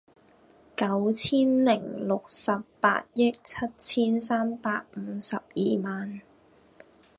九千零六十八億七千三百五十二萬